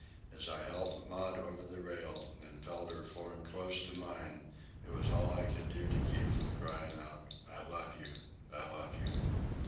As I helped Maud over the rail and felt her form close to mine, it was all I could do to keep from crying out, "I love you! I love you!"